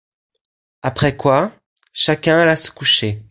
Après quoi, chacun alla se coucher.